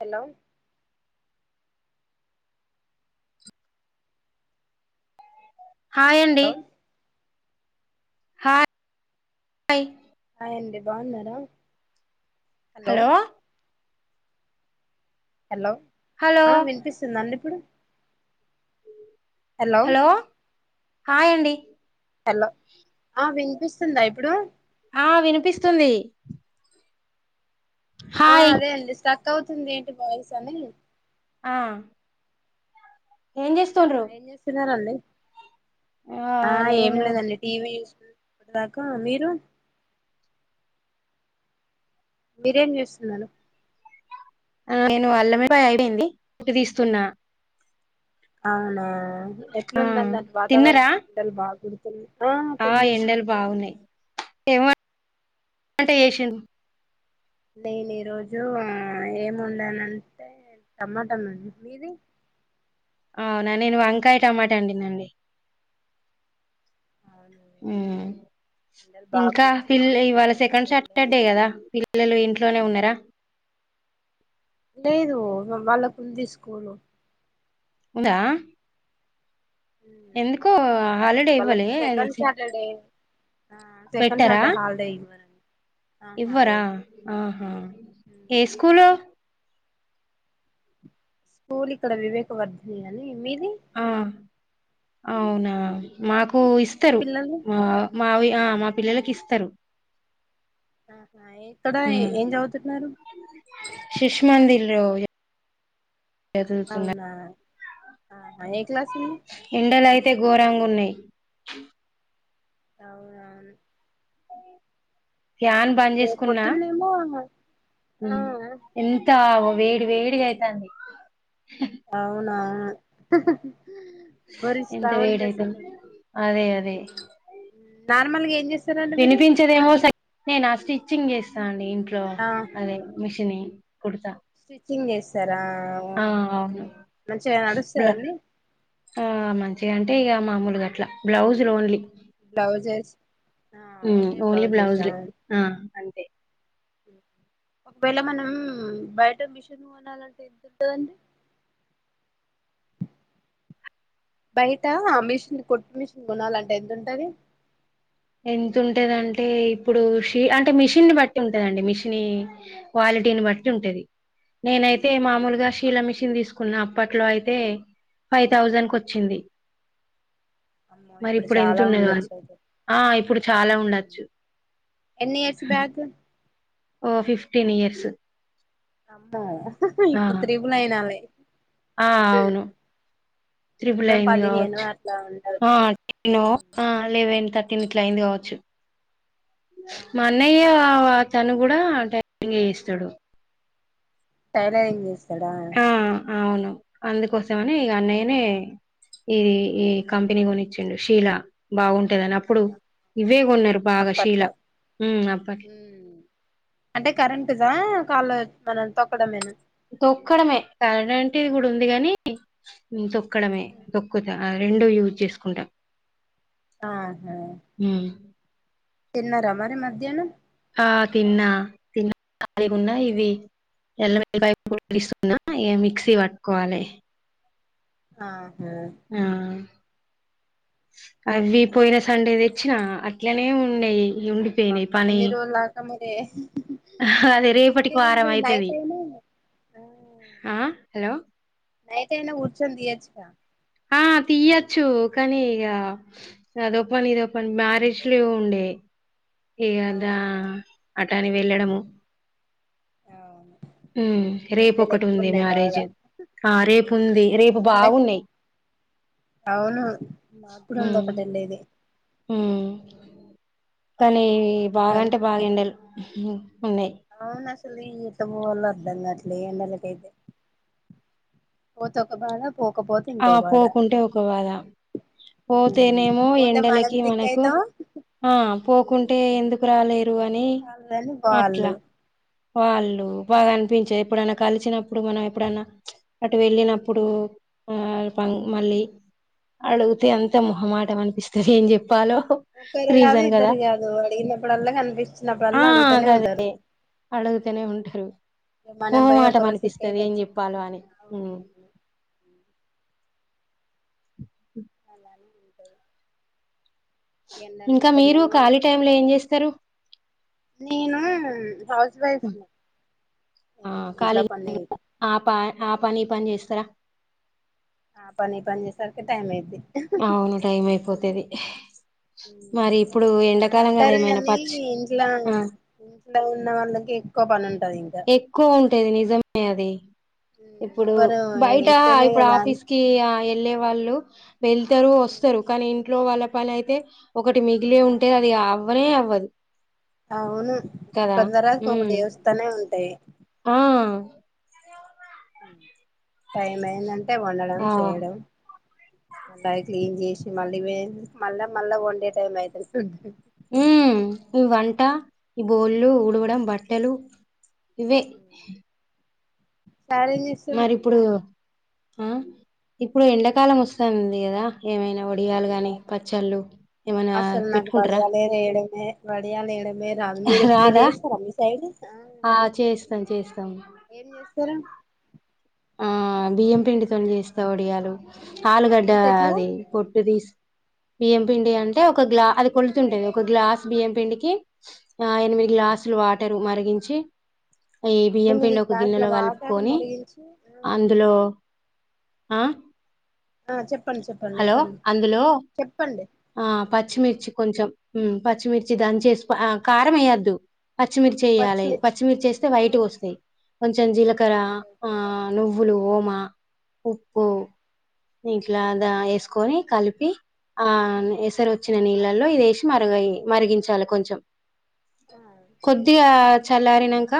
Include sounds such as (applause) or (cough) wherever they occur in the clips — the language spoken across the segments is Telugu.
హలో హాయండి హలో హాయ్ హాయ్ అండి బాగున్నారా హలో హలో హలో ఆ వినిపిస్తుందండి ఇప్పుడు హలో హాయ్ అండి హలో ఆ వినిపిస్తుందా ఇప్పుడు ఆ వినిపిస్తుంది హా హాయ్ అదే అండి స్టాఫ్ కట్ అవుతుంది ఏంటి వాయిస్ అని ఆ ఏం ఆ చేస్తుండ్రు ఏం చేస్తున్నారండి (inaudible) ఆ ఏం లేదండి టీవీ హా ఇప్పటిదాకా మీరు బిర్యానీ చేస్తున్నాను నేను అల్లం వెల్లులపాయ అయిపోయింది పొట్టు తీస్తున్నా అవునా ఆ ఆ ఎట్లుందన్న తిన్నరా వాతావరణం ఎండలు బాగు తను (unintelligible) ఆ ఎండలు బాగున్నాయి ఏం వంట చేసిండ్రు నేను ఈరోజు ఏమి వండానంటే టమాటమ్ మీది అవునా నేను వంకాయ టమాట వండినా లే అవునా హ్మ్ ఎండలు బాగా ఇంకా పిల్ కొడుతున్నాయి అసలు ఇవాళ బయటకి సెకండ్ వెళ్ళడం సాటర్డే అంటే కదా పిల్లలు ఇంట్లోనే ఉన్నారా లేదు వాళ్ళకు ఉంది స్కూలు ఉందా హ్మ్ హ్మ్ ఎందుకో ఉంది వాళ్ళకి హాలిడే వాళ్ళకి ఇవ్వలే అది సెకండ్ సాటర్డే ఆ సెకండ్ పెట్టారా సాటర్డే హాలిడే ఇవ్వరూ అం ఇవ్వరా ఆహా ఏ స్కూలు స్కూల్ ఇక్కడ వివేక వర్ధని అని మీది ఆ అవునా మాకు కు మీ ఇస్తారు పిల్లలు మా మావి ఆ మా పిల్లలకి ఇస్తారు ఆహా ఎక్కడ ఏం చదువుతున్నారు ఎ అవునా ఆహా ఏ క్లాస్ ఉంది తే ఘోరంగున్నాయి అవునువును ఫ్యాన్ బంద్ చేసుకున్నా పొద్దున్నేమో ఆ హ్మ్ ఎంత ఓ వేడి వేడిగా అయితాంది అవునువును మరి ఎంత శ్రవణ్ వేడైతుంది దసలు అదే అదే నార్మల్ గా ఏం చేస్ వినిపించదేమో సరే నాష్టి చింగ్ చేస్తాండే ఎమ్ (unintelligible) ఆహా అదే మిషిని కుడుతా స్టిచ్చింగ్ చేస్తార్ ఆ అవును బ్లా నడుస్తదండి ఆ మ చిగా అంటే ఇగా మామూలు గట్ల బ్లౌజులు ఓన్లీ బ్లౌజెస్ ఆ ఉమ్ ఓన్లీ బ్లౌజెసా బ్లౌజుల్ ఆ అంతే ఒకవేళ మనం బయట మిషన్ కొనాలంటే ఎంత ఉంటదండి బయట ఆ మిషన్ కొట్టి మిషన్ కొనాలంటే ఎంత ఉంటది ఎంత ఉంటేదింటే ఇప్పుడు ష అంటే మిషిన్ బట్టి ఉంటదండి మెషినీ క్వాలిటీని బట్టి ఉంటేది నేనైతే మామూలు గా శీలా మిషన్ తీసుకున్నా పట్లో అయితే ఫైవ్ థౌజండ్ కు వచ్చింది అమ్మో మరి ఇప్పుడు ఎంత చాలా ఉన్నదో అది ఉండొచ్చు అయతే ఆ ఇప్పుడు చాలా ఉండచ్చు ఎన్ని ఇయర్స్ బ్యాక్ ఓ ఫిఫ్టీన్ ఇయర్స్ అమ్మో అపుడు ఆ ఇప్పుడు ట్రిపుల్ అయినవల్ ఆ అవును త్రిపుల్ మినిమం అయింది పదిహేను కావచ్చు అట్లా ఆ ఉండవచ్చు టేనో ఆ లెవెన్ థర టీన్ ఇట్లా అయింది కావచ్చు మానయివవ తను కూడా టైలరింగ్ చేయిస్తాడు టైలరింగ్ చెస్ చడా అందుకోసం వస్తావని ఇగా అన్నాయనే ఇది ఈ కంపెనీ కొనిచ్చిండు షీలా బాగుం షీల అప్పట్లా ఉమ్ అప్పట్ ఉమ్ అంటే కరెంటిదా కాళ మనం తొక్కడమేనా తొక్కడమే కరెంటిది కూడా ఉంది కానీ నేన తొక్క అక్కడమే తొక్కుతా రెండో యూజ్ చేసుకుంటా ఆహా ఉమ్ తిన్నారా ఆ మా మధ్యాహ్నం ఆ తిన్నా తిన్నా కలిగున్న ఇవి ఎల్లి ఉల్లిపాయ పొట్టు తీస్తున్నా ఇ మిక్సీ పట్టుకోవాలి ఆ ఆ అవి పోయిన సండే తెచ్చినా అట్లనే ఉన్నాయి ఉండిపోయినాయి అమ్మో పని ఇన్ని రోజులు అక్క మరి అది ఎందుకు రేపటికి వారం తీయడంలో అయితది నైటయినా ఆ ఆ హలో బైటైన కూర్చొని తీయొచ్చు గా ఆ తీయచ్చు కానీ ఇగా అదో పని ఇదో పని మ్యారేజ్లివి ఉండే ఏ అదా అవును అట్ డానికి వెళ్ళడము అవును హ్మ్ ఈ రేపు మధ్యలో ఒకటి ఎక్కువ ఉంది ఉన్నాయి మ్యారేజ్, బాగా ఆ రేపు ఉంది రేపు వెళ్ళకి బాగున్నాయి. అవును మాకు కూడా ఉంది ఒకటి వెళ్ళేది హ్మ్ కానీ ఈ బాగా ఇవన్నీ అంటే బాగా ఎండలు హ్మ్ అవును అసలే ఎట్ల పోవాలో అర్థం గాట్లే ఈ ఎండలకైతే పోకపోతే ఆ ఇంకో బాధ పోకుంటే ఒకవేళ పోతేనేమో పోతే మనం ఎండలకి సిక్ మనకు అయితాం ఆ పోకుంటే ఎందుక్ పిల్ల గాల్లేర్ వాళ్ళని వాళ్ళు వాళ్ళు బాగ కనిపించే ఎప్పుడైనా కలిసినప్పుడు మనం ఎప్పుడైనా అటు వెళ్ళినప్పుడు ఆ పాన్ మళ్ళీ అడుగుత్ తే అంతే మొహమాటం అనిపిస్ తకి ఏం చెప్ ఒకరు కాదు ఇద్దరు కాదు అడిగినప్పుడల్లా కనిపిస్తునప్పుడల్లా అడుగుతానే ఉంటారు. అడుగుతానే ఉంటారు మనం పోయి ఒక మోహమాటం రోజు సిక్ అనిపిస్తది అయితే ఏం వచ్చి చెప్పాలో అని. అలానే ఉంటారు ఇంకా మీరు ఖాళీ అసలు టైమ్ లో ఏం చేస్తరు? నేను పోస్ ఆ ఇంట్లో పని కాళీగా ఆ ప ఆ పని ఈ పని చేస్తారా? ఆ పని ఈ పని చేసేసర్కే టైమ్ ఐద్ది. అవును టైం అయిపోతది మరి ఇప్పుడు ఎండాకాలం కదా అంటారు ఏమైనా కానీ పచ్ ఇంట్లో ఆ ఇంట్లో ఉన్న వాళ్ళకి ఎక్కువ పని ఉంటది ఇంకా ఎక్కువ ఉంటది నిజం ని అది ఇప్పుడు ఎవ్వరు బయట ఇంటనే ఇప్పుడు కదా ఆఫీస్ కి ఆ వెళ్ళే వాళ్ళు వెళ్తారు వస్తారు కానీ ఇంట్లో వాళ్ల పని అయితే ఒకటి మిగిలి ఉంటే అది అవ్వనే అవ్వదు. అవును కదా ఒకటి తర్వత ఉమ్ ఒకటి వస్తానే ఉంటాయి ఆ హ్మ్ టైమ అయిన అట్టే కొనడం ఆ చేయడం మళ్ళా అది క్లీన్ చేసి మళ్ళీ మళ్ళా మళ్ళా వండే టైం అయితది ఉ నువ వంట ఈ బోల్లు ఉడవడం బట్ టలు ఇవి సార్ ఏం చేస్తుండు మరి ఇప్పుడు ఆ ఇప్పుడు ఎండాకాలం వస్తంది కదా ఏమైనా వడియాలు అవునా గాని పచ్చళ్ళు ఏమైనా పెట్టుకుంట్రా వడియా లేడ మే రాదు మీర్ ఎప్ మీరు చేస్తారా మీ సైడ్ ఆ చేస్తాను చేస్ ఏం చేస్తారు ఆ బియ్యం పిండి తొని చేస్తా వడియాలు ఆలుగడ్డ అంటే ఎట్లా అది పొట్టుదిస్ బియ్యం పిండి అంటే ఒక గ్లా అది కొలుతుంటది ఒక గ్లాస్ బియ్యం పిండికి ఆ ఎనిమిది గ్లాసులు వా టరు మరిగించి అయి అంటే బియ్యం మీది పిండి ఒక గ్లాసుల గిన్నెలో వాటర్ కలుపుకొని మరిగించి అందులో అ ఆ చెప్ హలో అందులో ఆ పచ్చిమిర్చి కొంచెం ఉ పచ్చిమిర్చి దన్ చేసి ఆ కారం వేయద్దు పచ్చిమిర్చి వెయ్యాలి పచ్చిమిర్చి చేస్తే వైట్ వస్తాయి కొంచెం జీలకర ఓకే ఆ ఓకే నువ్వులు ఓమ ఉప్పు ఇంట్లా ఓకే వేసుకొని కలిపి ఆ అసరోచ్చిన నీళ్ళలో ఇది వేసి మరి మరిగించాలి కొంచం కొద్దిగా చలరి ఇంక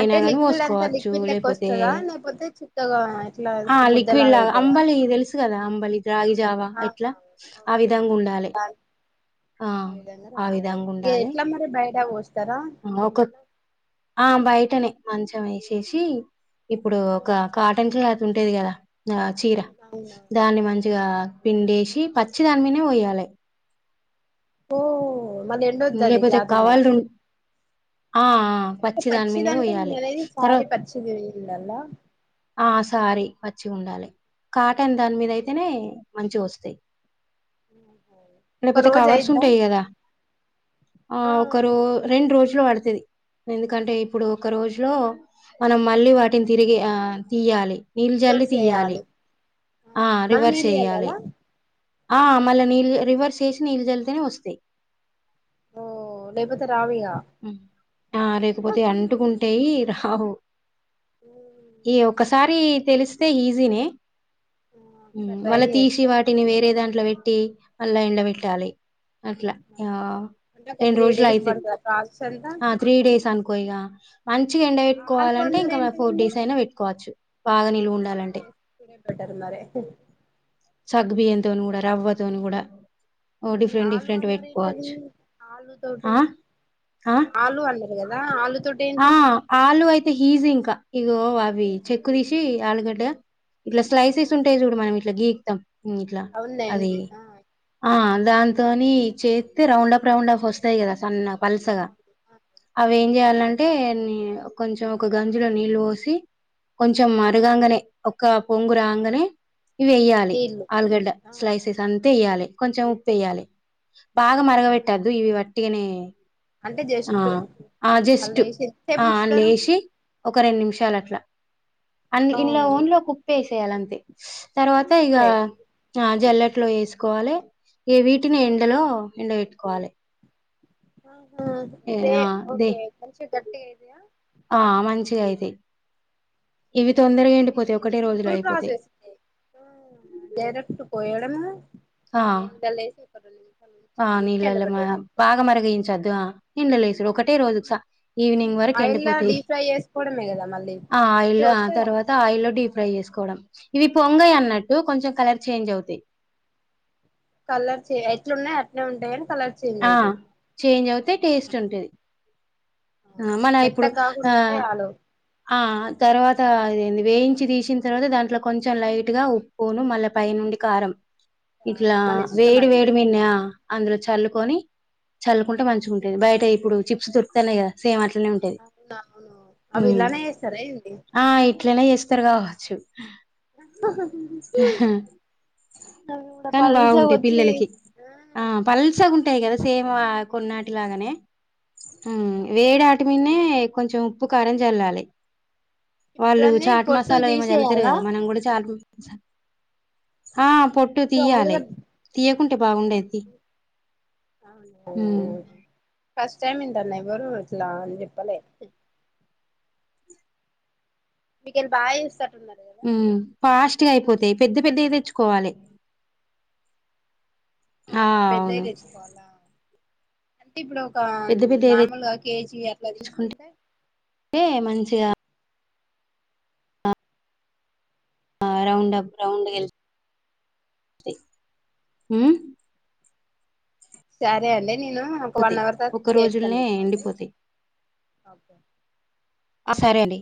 అంటే లిక్విడ్ అంతా లిక్విడ్ లెక్క లేకపోతే వస్తదా లేకపోతే చిక్కగా ఇట్లా ఆ లిక్విడ్ ముద్దలాగ లాగా ఐతదా అంబలి తెలుసు కదా అంబలి రాగిజావా ఎట్లా ఆ ఓకే విధంగా ఉండాలి దాని ఆ విధంగా ఆ రావాలి విధంగా ఇగ ఉండాలి ఎట్లా మరి బయట పోస్తారా ఎట్లా ఆ బయ్ వెంటనే మంచం వేసేసి ఇప్పుడు ఒక కాటన్ క్లాత్ ఉంటేది కదా ఆ చీర అవునా దాన్ని ఆ మంచిగా పిండేసే పచ్చిదాన్మినే ఒయ్యాలి ఓ మళ్ళీ ఎండొ వద్దది గలాదు కూడా కవర్లు ఆ ఆ అంటే దాని పచ్చి మీదనే దానిపైన పోయాలి పోయేలా తర్వాత సారీ పచ్చిదివి ఇల్లా ఆ సారీ పచ్చిగా ఉండాలి కాటం దాని మీద అయితేనే మంచిగా వస్తాయి ఒక లేకపోతే రోజు కవర్స్ అయిద్దా ఉంటాయి కదా ఆ ఒక రెండు రోజు పడుతుది ఎందుకంటే ఇప్పుడు ఒక రోజు లో మనం మళ్ళీ వాటిని తిరిగి తీయాలి నీళ్లు జల్లి రివర్స్ తీయాలి చేయాలి ఆ మళ్ళ రివేర్స్ నీళ్ళు చేయాలి ఎయ్యాలా ఆ మలనీ రివర్ చేసి నీళ్లు జల్తేనే వస్తాయి ఓ లేపోతే ఆ లేకపోతే అంటుకుంటేయి ఆహో ఈ ఒకసారి తెలు ఈజీ న ఒకసారి ట్రై మళ్ళా తీసి చేస్తా అయితే వాటిని వేరే దాంట్లో పెట్టి మళ్ళా ఎండ పెట్టాలి అట్లా ఆ అంటే ఒక రెండు త్రీ రోజులు డేస్ అయితుది పడుతదా ప్రాసెస్ అంతా ఆ త్రీ డేస్ అనుకో ఇగా అ మంచిగా ఈ ఎండ ఆలు పెట్టుకోవాలంటే అన్నారు ఇంకా మ ఏంటిదండి ఫోర్ డేస్ మీరు అయినా పెట్టుకోవచ్చు బాగా నిలువ ఉండాలంటే టారు మారే సగ్బియ్యంతోను కూడా రవ్వతోన కూడా ఇది ఆలు అన్నారు ఏంటది ఆలు తోటి ఆ? ఆ? ఆలు అన్న దా ఆ ఆ ఆలు అయితే హీజ ఇంకా ఇగో వావి ఏంటిది చెక్కు దీసి ఆళగడ్డ ఇట్లా స్లసస్ంటాయి చూడ మనం ఇట్లా గ త్తం లా ఆ ఉంది అదే ఉంది ఆ ఆ దాంతోని చేస్తే రౌండ్ అప్ రౌండ్ అప్ వస్తాయి కదా సన్నగ పలసగా అవి ఏం చేయాలన్ కొంచెం ఒక గంజిలో నీళ్ళు పోసి కొంచెం మరుగాంగానే ఒ పొంగు రాగానే ఇవి వెేయ్యాలి నీళ్ళు ఆలుగడ్డ స్లైసెస్ అ వేయాలి కొంచెం ఉప్పేయాలి బాగా ఉప్పు మరగబెట్టద్దు ఇవి ఒట్టిగానే అంటే ఆ జస్ట్ అ వాళ్ళు జెస్టు వేసి ఎంతసేపు ఉంచుతారు ఒక రెండు నిమిషాలట్లా అ ఆ ఇన్లో ఓన్లో కు ఉప్పేసి తేలంతే తర్వాత ఇగా ఉప్పే ఆ జల్లట్లో వేసుకోవాలే ఏ వీటిని ఎండలో ఎండ పెట్టుకోవాలి ఆ ఆ ఉప్పె దే ఓకే దేదియా ఆ మంచిగయితయి అ సింపుల్ అయిపోతాయి. ప్రోసెస్ అ డైరక్ట్ పోయడం ఆ! (inaudible) ఆ నీళ్లలో మా ఎండబెట్టేయడం బాగా మరిగించచ్చు ఎండలేసుడు ఒకటే రోజు ఈవినింగ్ వరకు ఆయిల్ల ఎండిపోతాయి డీప్ ఫ్రై చేసుకోవడమే కదా మళ్ళీ ఆ ఆయిల్ మంచిగా ఆ వస్తాయి కదా తర్వాత ఆయిల్ డీప్ ఫ్రై చేసుకోవడం ఇవి పొంగయన్నట్టు కొంచెం కలర్ చేంజ్ అవుతాయి కలర్స్ ఎట్లున్నాయి అట్నే ఉంటాయి కలర్ చేంజ్ ఆ అయితాయి చేంజ్ అవుతే టేస్ట్ ఉంటది ఆ మన ఇప్పుడు మెత్తగా ఆ కాకుండా ఉంటే చాలు ఆ తర్వాత అదే వేయించి తీసిన తర్వాత దాంట్లో కొంచెం లైట్ గా ఉప్పును మళ్ళా పై నుండి కారం ఇట్లా మన ఇష్టం వేడి అది ఇగ వేడి మింద అందులో చల్లు కొనీ చల్లుకుంటే మంచిగా ఉంటుంది బయట అయి ఇప్పుడు చిప్స్ దొరకతన్నాయి కదా సేమ్ అట్ అవునా అవును అవి ఇలానే చెస్ ఆ ఇట్లనే చేస్తారు కదా ఆచ్చు అవి కూడా కానీ పల్సగా బాగుంటాయి వచ్చి పిల్లలకి ఆ పల్సగా ఉంటాయి కదా సేమ్ కొన్నాటిలాగానే ఉ అవును వేడి ఆట మీదానే కొంచెం ఉప్పు కారం చల్లాలి ఇప్పుడు వాళ్ళు దాన్ని చాట్ పొట్టు మసాలా ఏమో చల్లుతారు తీసేయాలా కదా మనం కూడా చాట్ ఆ పొట్టు ఇప్పుడు తీయాలి ఆలుగడ్డ తీయకుంటే పొట్టు బాగుండేది తీసి ఏమీ ఇంతా అన్యాయం ఎవరు ఇలా అని చెప్పాల మీకెంత ఆయిల్ సర్ ఉ ఫాస్ట్గా అయిపోతుది పెద్ద పెద్ద తెచ్చుకోవాలి ఆ పెద్ద తెచ్చుకోవాలా అంటే ఇప్పుడు ఒక పెద్ద పెద్దవి మామూలుగా కేజీ అట్లా తెచ్చుకుంటే తీసుకుంటే మంచిగా ఆ రౌండ్ప్ రౌండ్ గా ఎల్లితాయి ఊ సరే అండి నేను ఒక వన్ పోతాయి అవర్ తర్వాత ఒక్క చేస్తాను రోజుల్నే మీకు మళ్ళీ ఎండిపోతాయి ఓకే ఆ సరే అండి